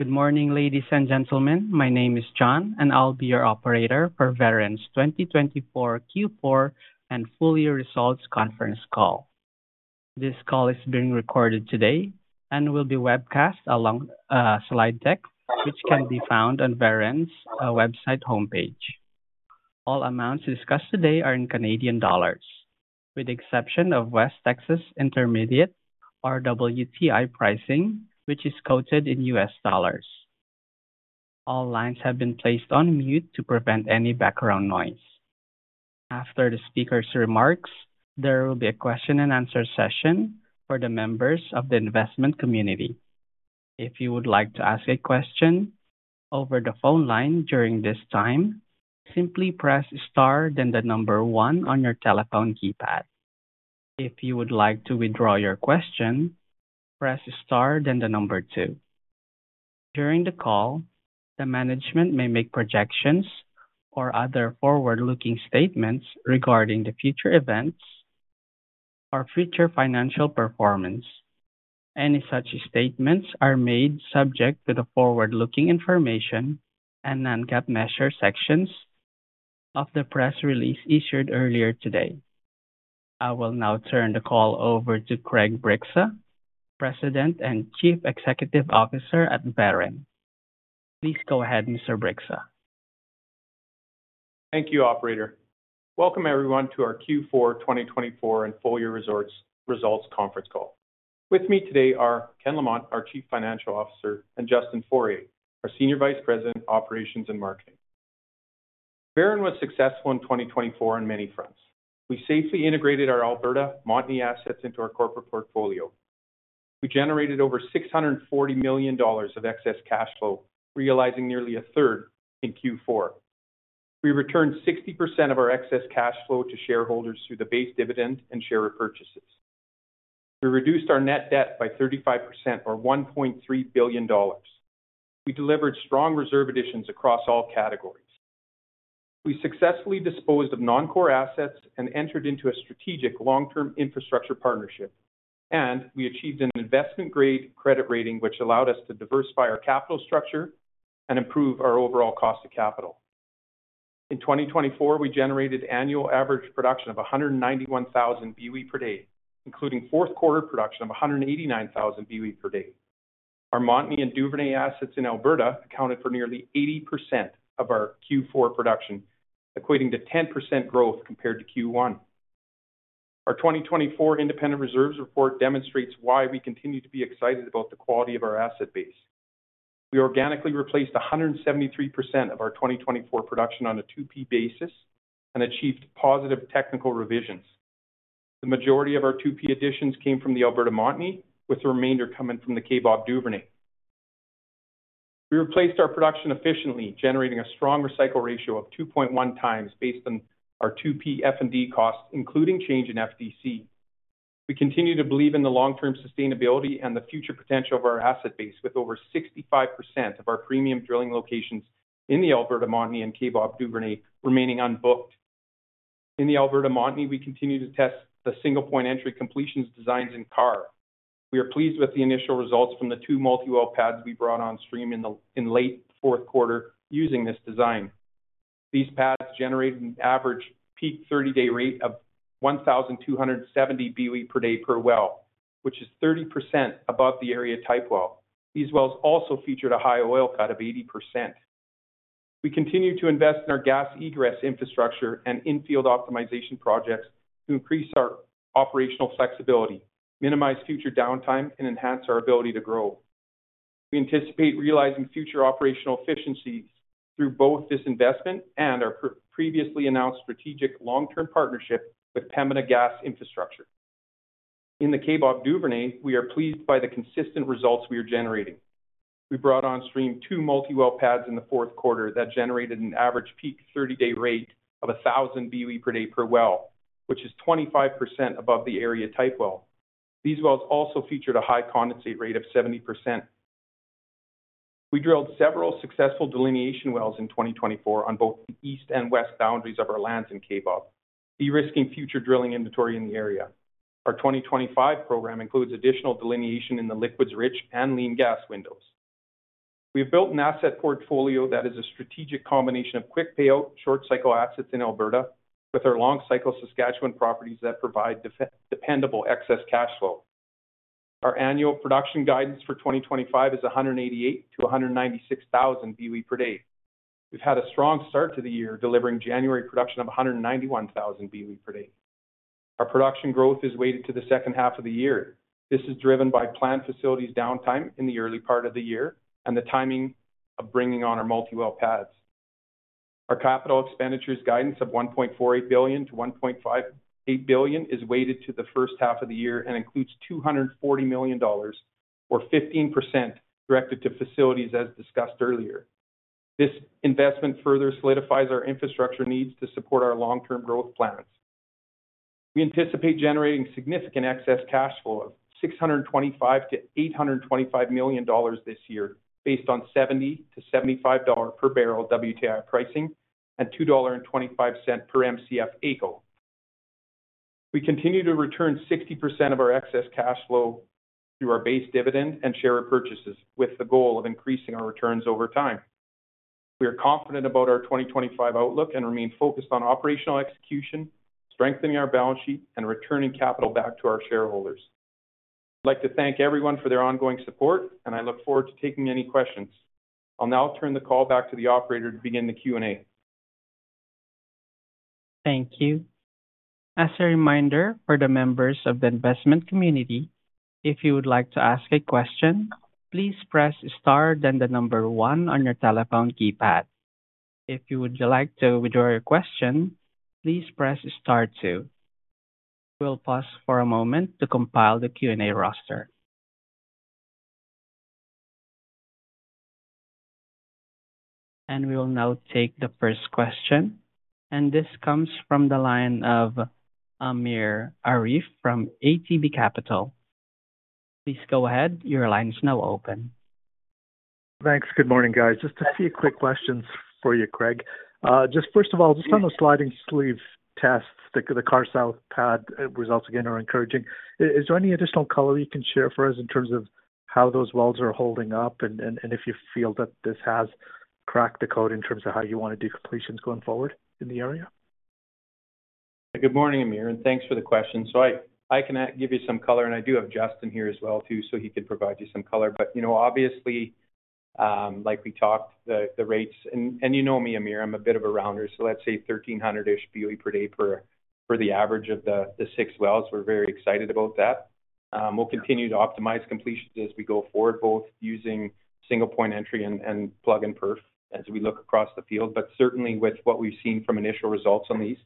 Good morning, ladies and gentlemen. My name is John, and I'll be your operator for Veren's 2024 Q4 and Full Year Results Conference Call. This call is being recorded today and will be webcast along with slide deck, which can be found on Veren's website homepage. All amounts discussed today are in Canadian dollars, with the exception of West Texas Intermediate, or WTI pricing, which is quoted in U.S. dollars. All lines have been placed on mute to prevent any background noise. After the speaker's remarks, there will be a question-and-answer session for the members of the investment community. If you would like to ask a question over the phone line during this time, simply press star, then the number one on your telephone keypad. If you would like to withdraw your question, press star, then the number two. During the call, the management may make projections or other forward-looking statements regarding the future events or future financial performance. Any such statements are made subject to the forward-looking information and non-GAAP measure sections of the press release issued earlier today. I will now turn the call over to Craig Bryksa, President and Chief Executive Officer at Veren. Please go ahead, Mr. Bryksa. Thank you, Operator. Welcome, everyone, to our Q4 2024 and full-year results conference call. With me today are Ken Lamont, our Chief Financial Officer, and Justin Foraie, our Senior Vice President, Operations and Marketing. Veren was successful in 2024 on many fronts. We safely integrated our Alberta Montney assets into our corporate portfolio. We generated over 640 million dollars of excess cash flow, realizing nearly a third in Q4. We returned 60% of our excess cash flow to shareholders through the base dividend and share repurchases. We reduced our net debt by 35%, or 1.3 billion dollars. We delivered strong reserve additions across all categories. We successfully disposed of non-core assets and entered into a strategic long-term infrastructure partnership, and we achieved an investment-grade credit rating, which allowed us to diversify our capital structure and improve our overall cost of capital. In 2024, we generated annual average production of 191,000 BOE per day, including fourth-quarter production of 189,000 BOE per day. Our Montney and Duvernay assets in Alberta accounted for nearly 80% of our Q4 production, equating to 10% growth compared to Q1. Our 2024 independent reserves report demonstrates why we continue to be excited about the quality of our asset base. We organically replaced 173% of our 2024 production on a 2P basis and achieved positive technical revisions. The majority of our 2P additions came from the Alberta Montney, with the remainder coming from the Kaybob Duvernay. We replaced our production efficiently, generating a strong recycle ratio of 2.1 times based on our 2P F&D costs, including change in FDC. We continue to believe in the long-term sustainability and the future potential of our asset base, with over 65% of our premium drilling locations in the Alberta Montney and Kaybob Duvernay remaining unbooked. In the Alberta Montney, we continue to test the single-point entry completions designs in Karr. We are pleased with the initial results from the two multi-well pads we brought on stream in the late fourth quarter using this design. These pads generated an average peak 30-day rate of 1,270 BOE per day per well, which is 30% above the area type well. These wells also featured a high oil cut of 80%. We continue to invest in our gas egress infrastructure and infield optimization projects to increase our operational flexibility, minimize future downtime, and enhance our ability to grow. We anticipate realizing future operational efficiencies through both this investment and our previously announced strategic long-term partnership with Pembina Gas Infrastructure. In the Kaybob Duvernay, we are pleased by the consistent results we are generating. We brought on stream two multi-well pads in the fourth quarter that generated an average peak 30-day rate of 1,000 BOE per day per well, which is 25% above the area type well. These wells also featured a high condensate rate of 70%. We drilled several successful delineation wells in 2024 on both the east and west boundaries of our lands in Kaybob, de-risking future drilling inventory in the area. Our 2025 program includes additional delineation in the liquids-rich and lean gas windows. We have built an asset portfolio that is a strategic combination of quick payout, short-cycle assets in Alberta with our long-cycle Saskatchewan properties that provide dependable excess cash flow. Our annual production guidance for 2025 is 188,000-196,000 BOE per day. We've had a strong start to the year, delivering January production of 191,000 BOE per day. Our production growth is weighted to the second half of the year. This is driven by plant facilities downtime in the early part of the year and the timing of bringing on our multi-well pads. Our capital expenditures guidance of 1.48 billion-1.58 billion is weighted to the first half of the year and includes $240 million, or 15%, directed to facilities as discussed earlier. This investment further solidifies our infrastructure needs to support our long-term growth plans. We anticipate generating significant excess cash flow of 625 million-825 million dollars this year, based on $70-$75 per barrel WTI pricing and 2.25 dollar per Mcf AECO. We continue to return 60% of our excess cash flow through our base dividend and share repurchases, with the goal of increasing our returns over time. We are confident about our 2025 outlook and remain focused on operational execution, strengthening our balance sheet, and returning capital back to our shareholders. I'd like to thank everyone for their ongoing support, and I look forward to taking any questions. I'll now turn the call back to the Operator to begin the Q&A. Thank you. As a reminder for the members of the investment community, if you would like to ask a question, please press star, then the number one on your telephone keypad. If you would like to withdraw your question, please press star two. We'll pause for a moment to compile the Q&A roster. And we will now take the first question, and this comes from the line of Amir Arif from ATB Capital. Please go ahead. Your line is now open. Thanks. Good morning, guys. Just a few quick questions for you, Craig. Just first of all, just on the sliding sleeve tests, the Karr South pad results again are encouraging. Is there any additional color you can share for us in terms of how those wells are holding up and if you feel that this has cracked the code in terms of how you want to do completions going forward in the area? Good morning, Amir, and thanks for the question. So I can give you some color, and I do have Justin here as well too, so he can provide you some color. But obviously, like we talked, the rates, and you know me, Amir, I'm a bit of a rounder, so let's say 1,300-ish BOE per day for the average of the six wells. We're very excited about that. We'll continue to optimize completions as we go forward, both using single-point entry and plug-and-perf as we look across the field. But certainly, with what we've seen from initial results on these,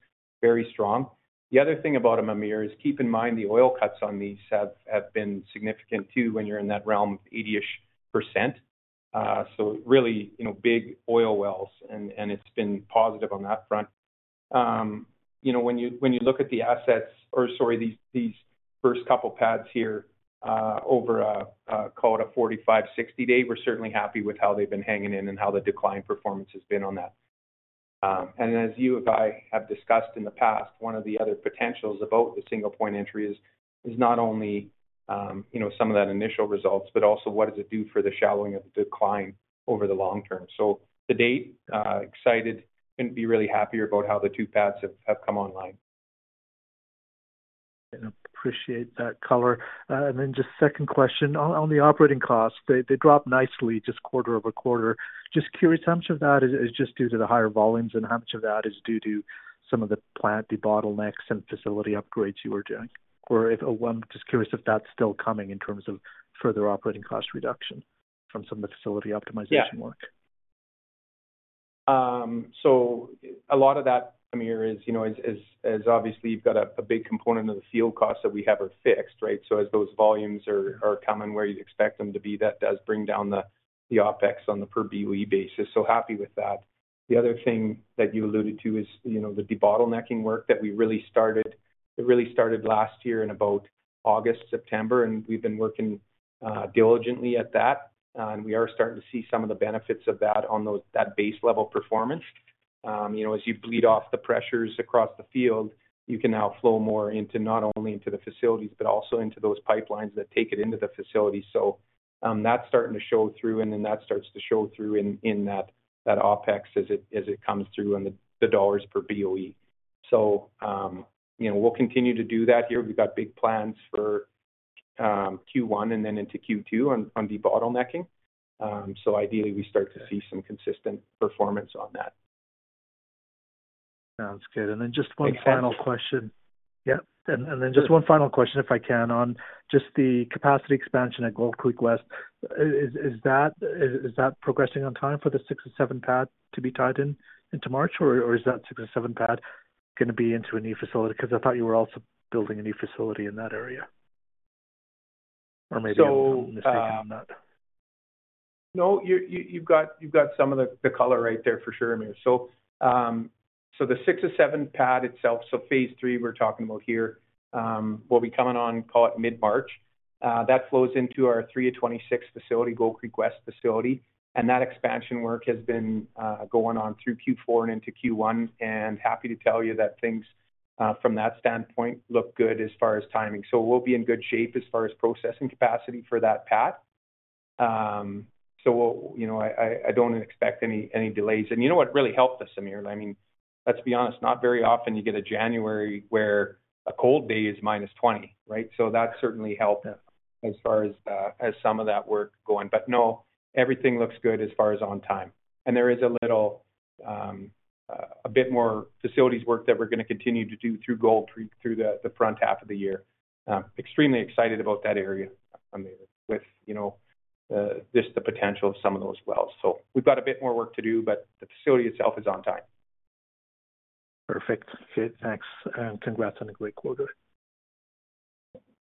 very strong. The other thing about them, Amir, is keep in mind the oil cuts on these have been significant too when you're in that realm of 80-ish%. So really big oil wells, and it's been positive on that front. When you look at the assets, or sorry, these first couple pads here over, call it, a 45-60 day, we're certainly happy with how they've been hanging in and how the decline performance has been on that. As you and I have discussed in the past, one of the other potentials about the single-point entry is not only some of that initial results, but also what does it do for the shallowing of the decline over the long term. To date, excited, couldn't be really happier about how the two pads have come online. I appreciate that color. And then just second question on the operating costs, they dropped nicely just quarter-over-quarter. Just curious, how much of that is just due to the higher volumes and how much of that is due to some of the plant debottlenecks and facility upgrades you were doing? Or just curious if that's still coming in terms of further operating cost reduction from some of the facility optimization work? Yeah. So a lot of that, Amir, is obviously you've got a big component of the field costs that we have are fixed, right? So as those volumes are coming where you'd expect them to be, that does bring down the OpEx on the per BOE basis. So happy with that. The other thing that you alluded to is the debottlenecking work that we really started. It really started last year in about August, September, and we've been working diligently at that. And we are starting to see some of the benefits of that on that base level performance. As you bleed off the pressures across the field, you can now flow more into not only into the facilities, but also into those pipelines that take it into the facility. So that's starting to show through, and then that starts to show through in that OpEx as it comes through on the dollars per BOE. So we'll continue to do that here. We've got big plans for Q1 and then into Q2 on debottlenecking. So ideally, we start to see some consistent performance on that. Sounds good. And then just one final question. Yeah. Just one final question, if I can, on just the capacity expansion at Gold Creek West. Is that progressing on time for the 6-7 pad to be tied in into March, or is that 6-7 pad going to be into a new facility? Because I thought you were also building a new facility in that area, or maybe I'm mistaken on that. No, you've got some of the color right there for sure, Amir. So the 6-7 pad itself, so phase three we're talking about here, we'll be coming on, call it mid-March. That flows into our 3-26 facility, Gold Creek West facility. And that expansion work has been going on through Q4 and into Q1. And happy to tell you that things from that standpoint look good as far as timing. So we'll be in good shape as far as processing capacity for that pad. So I don't expect any delays. And you know what really helped us, Amir? I mean, let's be honest, not very often you get a January where a cold day is minus 20, right? So that certainly helped as far as some of that work going. But no, everything looks good as far as on time. There is a little bit more facilities work that we're going to continue to do through Gold Creek through the front half of the year. Extremely excited about that area, Amir, with just the potential of some of those wells. We've got a bit more work to do, but the facility itself is on time. Perfect. Great. Thanks. And congrats on a great quarter.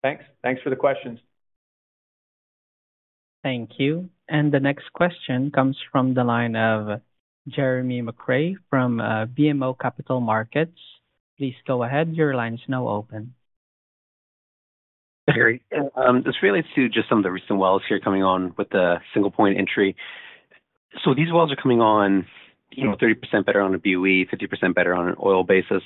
Thanks. Thanks for the questions. Thank you. And the next question comes from the line of Jeremy McCrea from BMO Capital Markets. Please go ahead. Your line is now open. Just relates to just some of the recent wells here coming on with the single-point entry. So these wells are coming on 30% better on a BOE, 50% better on an oil basis.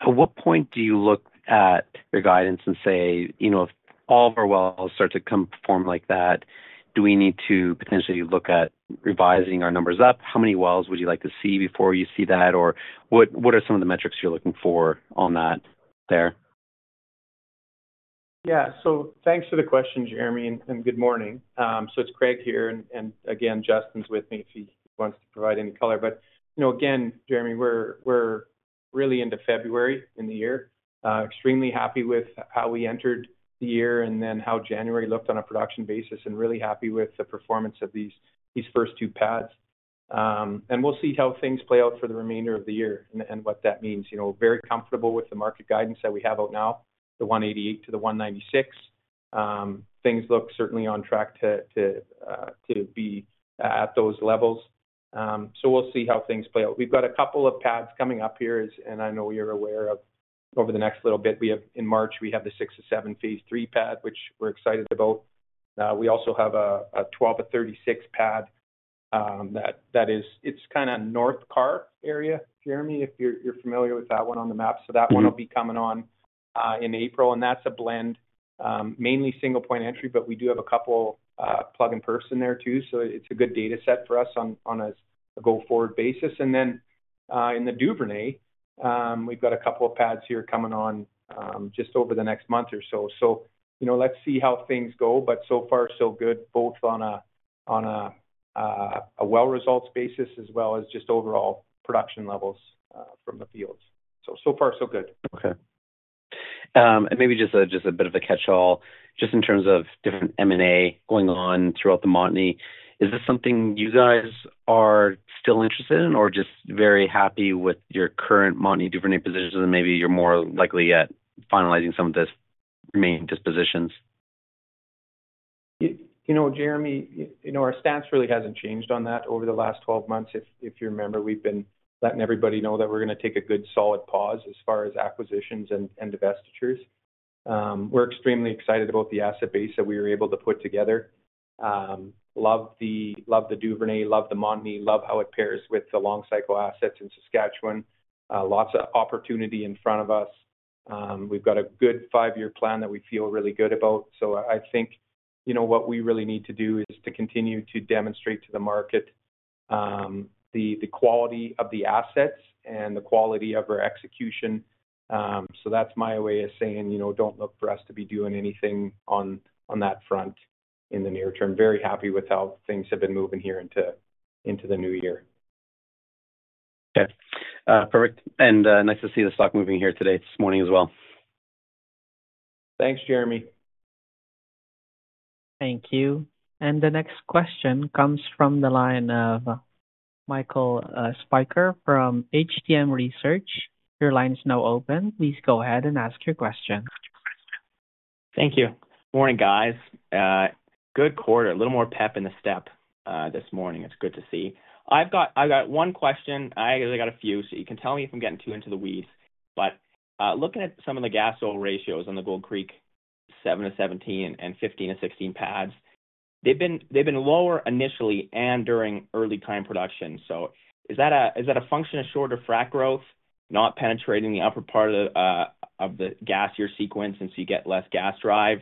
At what point do you look at your guidance and say, "If all of our wells start to perform like that, do we need to potentially look at revising our numbers up? How many wells would you like to see before you see that?" Or what are some of the metrics you're looking for on that there? Yeah. So thanks for the question, Jeremy, and good morning. So it's Craig here, and again, Justin's with me if he wants to provide any color. But again, Jeremy, we're really into February in the year. Extremely happy with how we entered the year and then how January looked on a production basis and really happy with the performance of these first two pads. And we'll see how things play out for the remainder of the year and what that means. We're very comfortable with the market guidance that we have out now, the 188 to the 196. Things look certainly on track to be at those levels. So we'll see how things play out. We've got a couple of pads coming up here, and I know you're aware of over the next little bit. In March, we have the 6-7 phase three pad, which we're excited about. We also have a 12-36 pad that is kind of north Karr area, Jeremy, if you're familiar with that one on the map. So that one will be coming on in April, and that's a blend, mainly single-point entry, but we do have a couple plug-and-perf in there too. So it's a good data set for us on a go-forward basis. And then in the Duvernay, we've got a couple of pads here coming on just over the next month or so. So let's see how things go, but so far, so good, both on a well results basis as well as just overall production levels from the fields. So far, so good. Okay. And maybe just a bit of a catch-all, just in terms of different M&A going on throughout the Montney, is this something you guys are still interested in or just very happy with your current Montney Duvernay positions and maybe you're more likely at finalizing some of the remaining dispositions? You know, Jeremy, our stance really hasn't changed on that over the last 12 months. If you remember, we've been letting everybody know that we're going to take a good solid pause as far as acquisitions and divestitures. We're extremely excited about the asset base that we were able to put together. Love the Duvernay, love the Montney, love how it pairs with the long-cycle assets in Saskatchewan. Lots of opportunity in front of us. We've got a good five-year plan that we feel really good about. So I think what we really need to do is to continue to demonstrate to the market the quality of the assets and the quality of our execution. So that's my way of saying, "Don't look for us to be doing anything on that front in the near term." Very happy with how things have been moving here into the new year. Okay. Perfect. And nice to see the stock moving here today this morning as well. Thanks, Jeremy. Thank you. And the next question comes from the line of Michael Spiker from HTM Research. Your line is now open. Please go ahead and ask your question. Thank you. Good morning, guys. Good quarter. A little more pep in the step this morning. It's good to see. I've got one question. I actually got a few, so you can tell me if I'm getting too into the weeds, but looking at some of the gas-oil ratios on the Gold Creek 7-17 and 15-16 pads, they've been lower initially and during early-time production, so is that a function of shorter frac growth, not penetrating the upper part of the gas year sequence, and so you get less gas drive,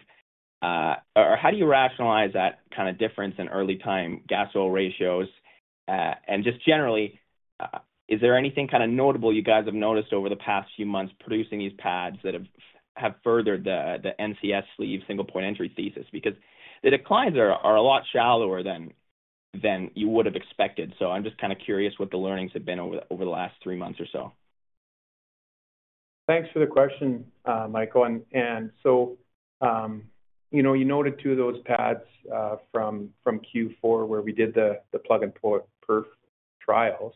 or how do you rationalize that kind of difference in early-time gas-oil ratios, and just generally, is there anything kind of notable you guys have noticed over the past few months producing these pads that have furthered the NCS sleeve single-point entry thesis? Because the declines are a lot shallower than you would have expected. So I'm just kind of curious what the learnings have been over the last three months or so. Thanks for the question, Michael. And so you noted two of those pads from Q4 where we did the plug-and-perf trials.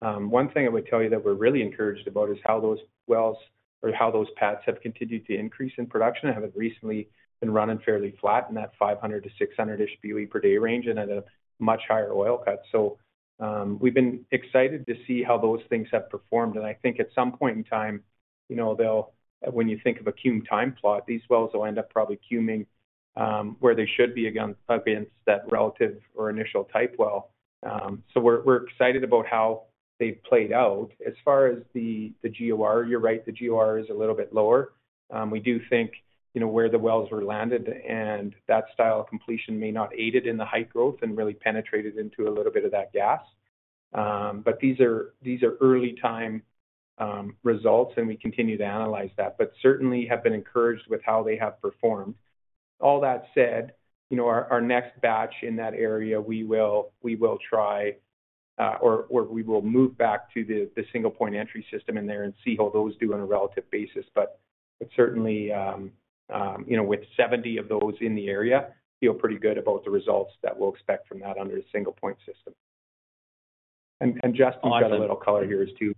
One thing I would tell you that we're really encouraged about is how those wells or how those pads have continued to increase in production. They haven't recently been running fairly flat in that 500-600-ish BOE per day range and at a much higher oil cut. So we've been excited to see how those things have performed. And I think at some point in time, when you think of a cume time plot, these wells will end up probably cuming where they should be against that relative or initial type well. So we're excited about how they've played out. As far as the GOR, you're right, the GOR is a little bit lower. We do think where the wells were landed and that style of completion may not aid it in the height growth and really penetrated into a little bit of that gas, but these are early-time results, and we continue to analyze that, but certainly have been encouraged with how they have performed. All that said, our next batch in that area, we will try or we will move back to the single-point entry system in there and see how those do on a relative basis, but certainly, with 70 of those in the area, feel pretty good about the results that we'll expect from that under a single-point system, and Justin's got a little color here as to.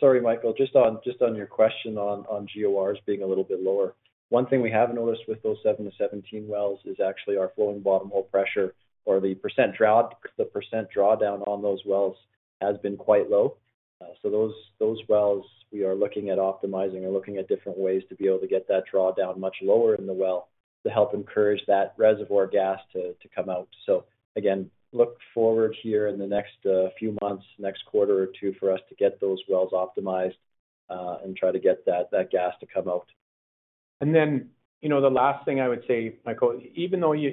Sorry, Michael. Just on your question on GORs being a little bit lower, one thing we have noticed with those 7-17 wells is actually our flowing bottom hole pressure or the percent drawdown on those wells has been quite low. So those wells, we are looking at optimizing and looking at different ways to be able to get that drawdown much lower in the well to help encourage that reservoir gas to come out. So again, look forward here in the next few months, next quarter or two for us to get those wells optimized and try to get that gas to come out. And then the last thing I would say, Michael, even though you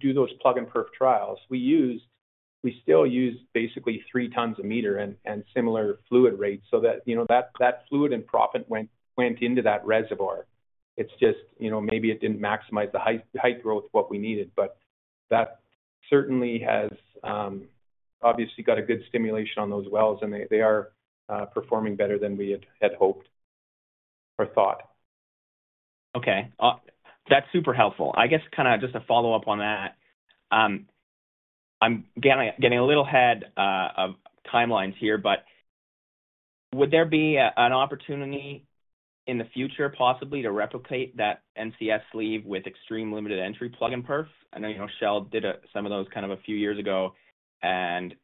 do those plug-and-perf trials, we still use basically three tons a meter and similar fluid rates so that that fluid and proppant went into that reservoir. It's just maybe it didn't maximize the height growth of what we needed, but that certainly has obviously got a good stimulation on those wells, and they are performing better than we had hoped or thought. Okay. That's super helpful. I guess kind of just a follow-up on that. I'm getting a little ahead of timelines here, but would there be an opportunity in the future possibly to replicate that NCS Sleeve with extreme limited entry plug-and-perf? I know Shell did some of those kind of a few years ago and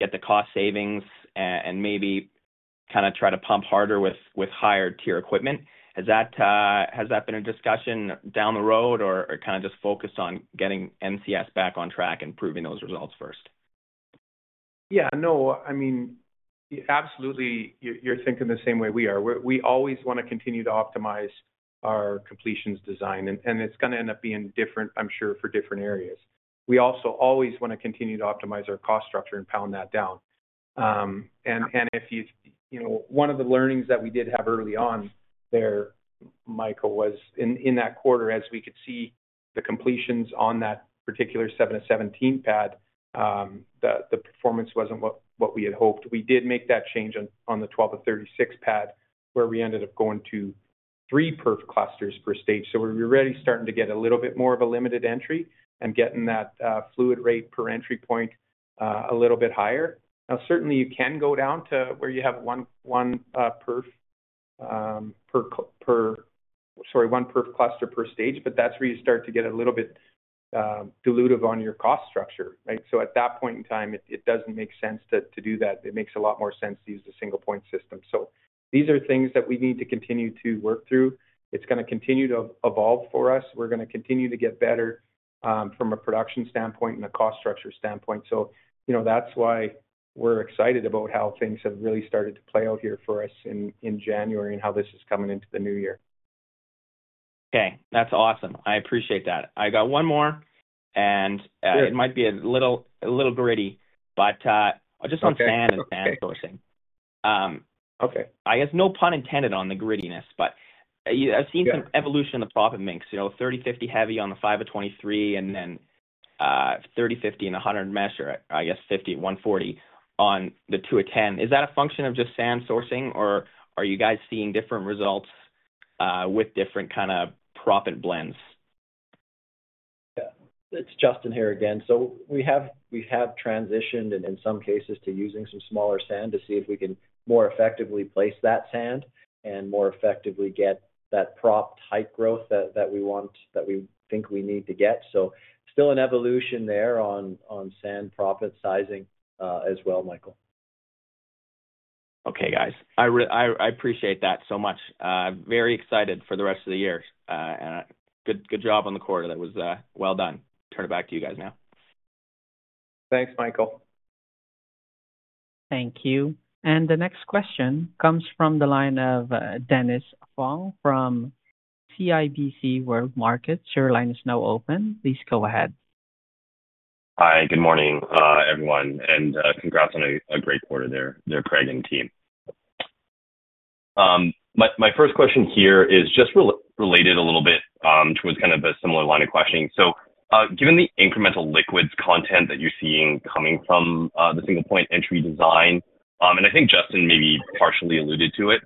get the cost savings and maybe kind of try to pump harder with higher-tier equipment. Has that been a discussion down the road or kind of just focused on getting NCS back on track and proving those results first? Yeah. No, I mean, absolutely, you're thinking the same way we are. We always want to continue to optimize our completions design, and it's going to end up being different, I'm sure, for different areas. We also always want to continue to optimize our cost structure and pound that down. And one of the learnings that we did have early on there, Michael, was in that quarter, as we could see the completions on that particular 7-17 pad, the performance wasn't what we had hoped. We did make that change on the 12-36 pad where we ended up going to three perf clusters per stage. So we were already starting to get a little bit more of a limited entry and getting that fluid rate per entry point a little bit higher. Now, certainly, you can go down to where you have one perf cluster per stage, but that's where you start to get a little bit dilutive on your cost structure, right? So at that point in time, it doesn't make sense to do that. It makes a lot more sense to use the single-point system. So these are things that we need to continue to work through. It's going to continue to evolve for us. We're going to continue to get better from a production standpoint and a cost structure standpoint. So that's why we're excited about how things have really started to play out here for us in January and how this is coming into the new year. Okay. That's awesome. I appreciate that. I got one more, and it might be a little gritty, but just on sand and sand sourcing. I guess no pun intended on the grittiness, but I've seen some evolution in the proppant mix, 30/50 heavy on the 5-23, and then 30/50 and 100 mesh, or I guess 50/140 on the 2-10. Is that a function of just sand sourcing, or are you guys seeing different results with different kind of proppant blends? Yeah. It's Justin here again. So we have transitioned in some cases to using some smaller sand to see if we can more effectively place that sand and more effectively get that prop height growth that we think we need to get. So still an evolution there on sand proppant sizing as well, Michael. Okay, guys. I appreciate that so much. Very excited for the rest of the year. And good job on the quarter. That was well done. Turn it back to you guys now. Thanks, Michael. Thank you. And the next question comes from the line of Dennis Fong from CIBC World Markets. Your line is now open. Please go ahead. Hi. Good morning, everyone, and congrats on a great quarter there, Craig and team. My first question here is just related a little bit towards kind of a similar line of questioning. So given the incremental liquids content that you're seeing coming from the single-point entry design, and I think Justin maybe partially alluded to it,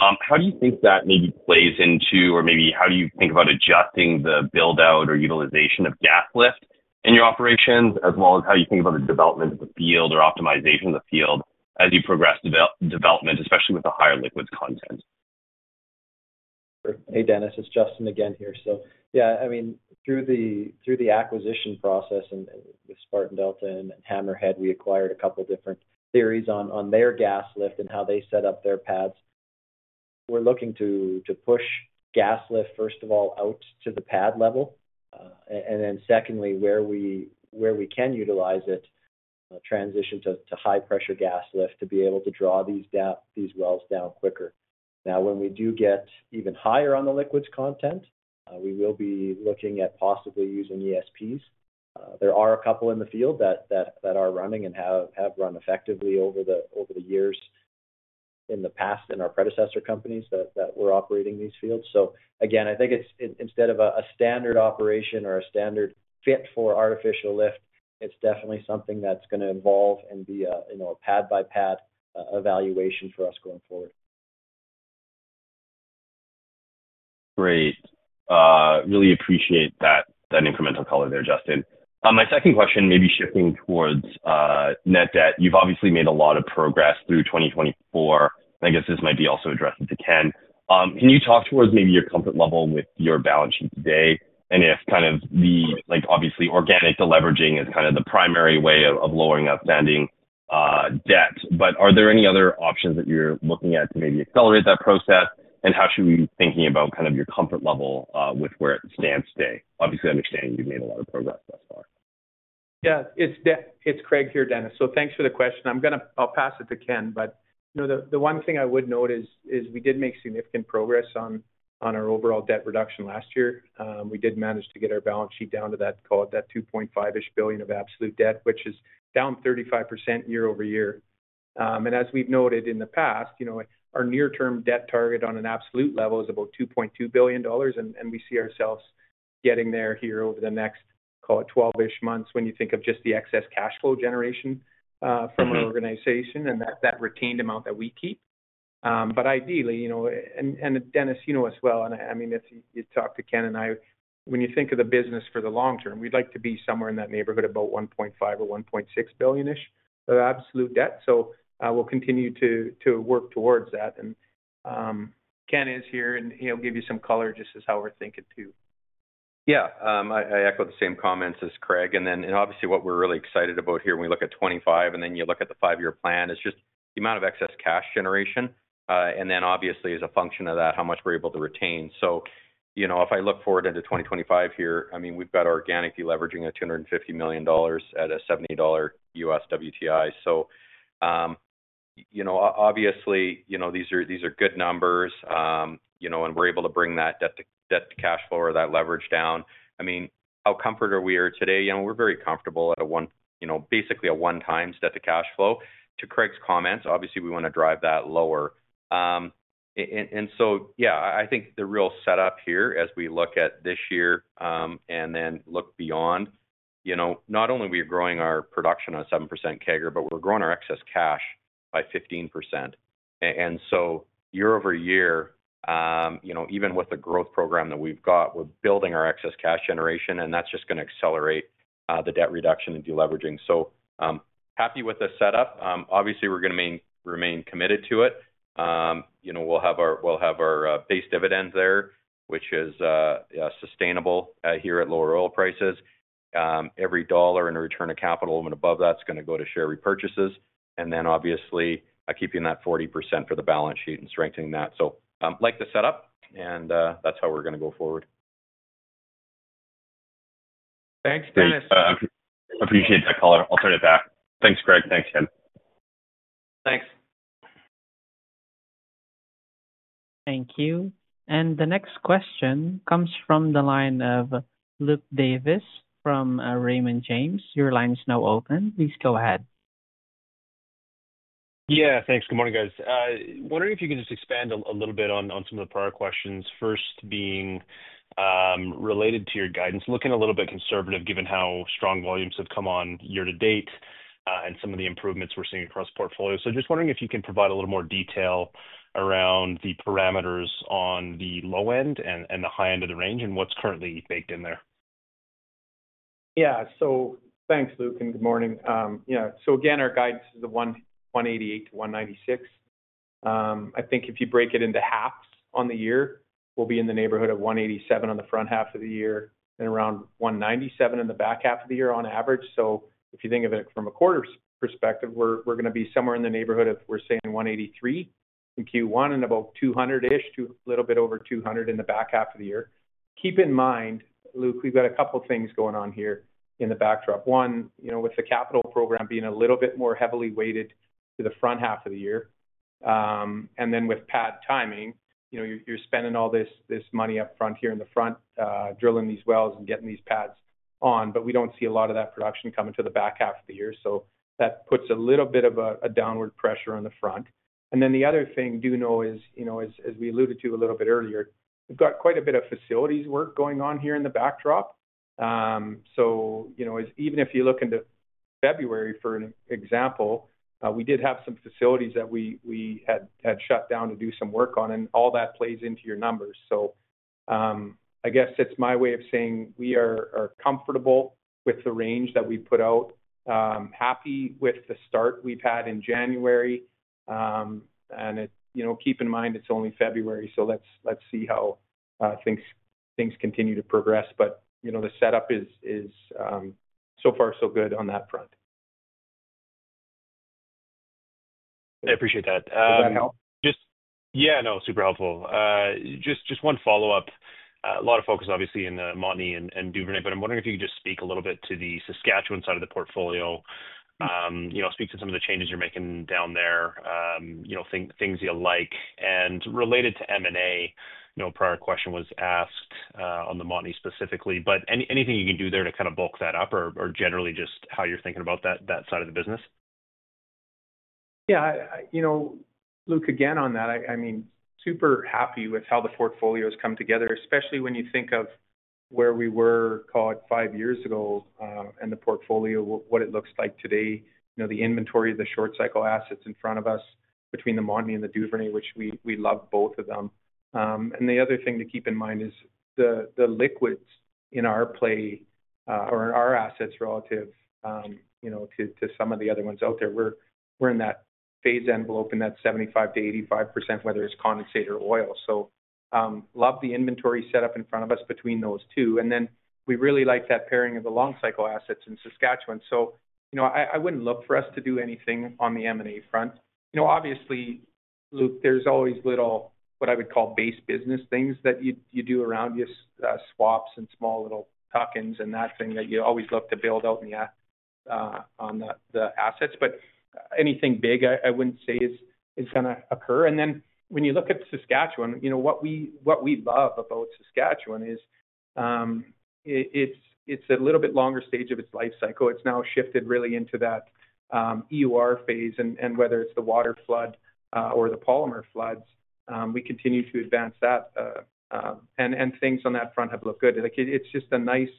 how do you think that maybe plays into, or maybe how do you think about adjusting the build-out or utilization of gas lift in your operations, as well as how you think about the development of the field or optimization of the field as you progress development, especially with the higher liquids content? Hey, Dennis, it's Justin again here. So yeah, I mean, through the acquisition process and with Spartan Delta and Hammerhead, we acquired a couple of different theories on their gas lift and how they set up their pads. We're looking to push gas lift, first of all, out to the pad level, and then secondly, where we can utilize it, transition to high-pressure gas lift to be able to draw these wells down quicker. Now, when we do get even higher on the liquids content, we will be looking at possibly using ESPs. There are a couple in the field that are running and have run effectively over the years in the past in our predecessor companies that we're operating these fields. So again, I think instead of a standard operation or a standard fit for artificial lift, it's definitely something that's going to evolve and be a pad-by-pad evaluation for us going forward. Great. Really appreciate that incremental color there, Justin. My second question, maybe shifting towards net debt, you've obviously made a lot of progress through 2024. I guess this might be also addressed to Ken. Can you talk towards maybe your comfort level with your balance sheet today and if kind of the, obviously, organic leveraging is kind of the primary way of lowering outstanding debt? But are there any other options that you're looking at to maybe accelerate that process? And how should we be thinking about kind of your comfort level with where it stands today? Obviously, understanding you've made a lot of progress thus far. Yeah. It's Craig here, Dennis. So thanks for the question. I'll pass it to Ken, but the one thing I would note is we did make significant progress on our overall debt reduction last year. We did manage to get our balance sheet down to that 2.5-ish billion of absolute debt, which is down 35% year-over-year. And as we've noted in the past, our near-term debt target on an absolute level is about 2.2 billion dollars, and we see ourselves getting there here over the next, call it, 12-ish months when you think of just the excess cash flow generation from our organization and that retained amount that we keep. But ideally, and Dennis, you know us well, and I mean, you talked to Ken and I, when you think of the business for the long term, we'd like to be somewhere in that neighborhood of about 1.5 billion -CAD 1.6 billion-ish of absolute debt. So we'll continue to work towards that. And Ken is here, and he'll give you some color just as how we're thinking too. Yeah. I echo the same comments as Craig. And then obviously, what we're really excited about here when we look at 2025 and then you look at the five-year plan is just the amount of excess cash generation. And then obviously, as a function of that, how much we're able to retain. So if I look forward into 2025 here, I mean, we've got organically leveraging at $250 million at a $70 USD WTI. So obviously, these are good numbers, and we're able to bring that debt-to-cash flow or that leverage down. I mean, how comfortable are we today? We're very comfortable at basically a one-time debt-to-cash flow. To Craig's comments, obviously, we want to drive that lower. And so yeah, I think the real setup here as we look at this year and then look beyond, not only are we growing our production on a 7% CAGR, but we're growing our excess cash by 15%. And so year-over-year, even with the growth program that we've got, we're building our excess cash generation, and that's just going to accelerate the debt reduction and deleveraging. So happy with the setup. Obviously, we're going to remain committed to it. We'll have our base dividend there, which is sustainable here at lower oil prices. Every dollar in return of capital and above that is going to go to share repurchases. And then obviously, keeping that 40% for the balance sheet and strengthening that. So like the setup, and that's how we're going to go forward. Thanks, Dennis. Appreciate that call. I'll turn it back. Thanks, Craig. Thanks, Ken. Thanks. Thank you. And the next question comes from the line of Luke Davis from Raymond James. Your line is now open. Please go ahead. Yeah. Thanks. Good morning, guys. Wondering if you could just expand a little bit on some of the prior questions, first being related to your guidance, looking a little bit conservative given how strong volumes have come on year to date and some of the improvements we're seeing across portfolio. So just wondering if you can provide a little more detail around the parameters on the low end and the high end of the range and what's currently baked in there? Yeah. So thanks, Luke, and good morning. So again, our guidance is the 188-196. I think if you break it into halves on the year, we'll be in the neighborhood of 187 on the front half of the year and around 197 in the back half of the year on average. So if you think of it from a quarter perspective, we're going to be somewhere in the neighborhood of, we're saying, 183 in Q1 and about 200-ish, a little bit over 200 in the back half of the year. Keep in mind, Luke, we've got a couple of things going on here in the backdrop. One, with the capital program being a little bit more heavily weighted to the front half of the year, and then with pad timing, you're spending all this money up front here in the front drilling these wells and getting these pads on, but we don't see a lot of that production coming to the back half of the year. So that puts a little bit of a downward pressure on the front. And then the other thing to know is, as we alluded to a little bit earlier, we've got quite a bit of facilities work going on here in the background. So even if you look into February, for example, we did have some facilities that we had shut down to do some work on, and all that plays into your numbers. So I guess it's my way of saying we are comfortable with the range that we put out, happy with the start we've had in January, and keep in mind, it's only February, so let's see how things continue to progress, but the setup is so far so good on that front. I appreciate that. Does that help? Yeah. No, super helpful. Just one follow-up. A lot of focus, obviously, in Montney and Duvernay, but I'm wondering if you could just speak a little bit to the Saskatchewan side of the portfolio, speak to some of the changes you're making down there, things you like. And related to M&A, no prior question was asked on the Montney specifically, but anything you can do there to kind of bulk that up or generally just how you're thinking about that side of the business? Yeah. Luke, again, on that, I mean, super happy with how the portfolio has come together, especially when you think of where we were, call it, five years ago and the portfolio, what it looks like today, the inventory of the short-cycle assets in front of us between the Montney and the Duvernay, which we love both of them. And the other thing to keep in mind is the liquids in our play or in our assets relative to some of the other ones out there. We're in that phase envelope in that 75%-85%, whether it's condensate or oil. So love the inventory setup in front of us between those two. And then we really like that pairing of the long-cycle assets in Saskatchewan. So I wouldn't look for us to do anything on the M&A front. Obviously, Luke, there's always little what I would call base business things that you do around your swaps and small little tuck-ins and that thing that you always love to build out on the assets, but anything big, I wouldn't say is going to occur, and then when you look at Saskatchewan, what we love about Saskatchewan is it's a little bit longer stage of its life cycle. It's now shifted really into that EUR phase, and whether it's the water flood or the polymer floods, we continue to advance that, and things on that front have looked good. It's just a nice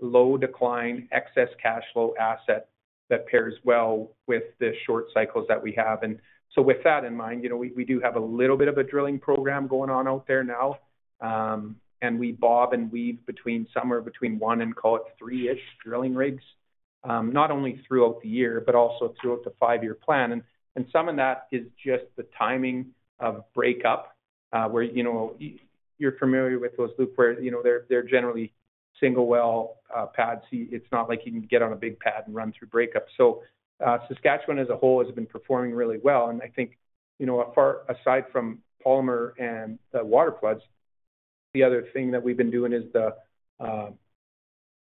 low-decline excess cash flow asset that pairs well with the short cycles that we have. And so with that in mind, we do have a little bit of a drilling program going on out there now, and we bob and weave between somewhere between one and, call it, three-ish drilling rigs, not only throughout the year, but also throughout the five-year plan. And some of that is just the timing of breakup where you're familiar with those, Luke, where they're generally single well pads. It's not like you can get on a big pad and run through breakup. So Saskatchewan as a whole has been performing really well. And I think aside from polymer and the water floods, the other thing that we've been doing is the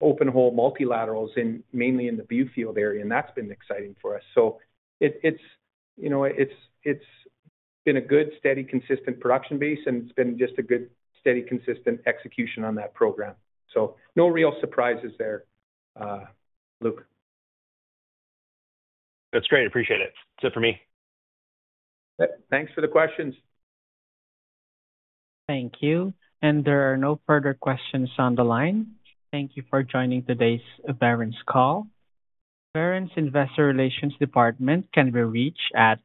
open hole multilaterals mainly in the Viewfield area, and that's been exciting for us. So it's been a good, steady, consistent production base, and it's been just a good, steady, consistent execution on that program. So no real surprises there, Luke. That's great. Appreciate it. That's it for me. Thanks for the questions. Thank you. And there are no further questions on the line. Thank you for joining today's Veren's call. Veren's Investor Relations Department can be reached at.